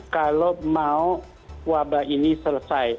kalau mau wabah ini selesai